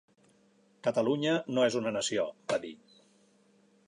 Catalunya no és una nació, va dir.